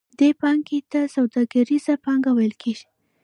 دې پانګې ته سوداګریزه پانګه ویل کېږي